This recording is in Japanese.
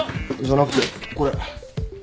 じゃなくてこれ。